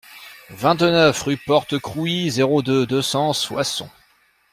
vingt-neuf rue Porte Crouy, zéro deux, deux cents Soissons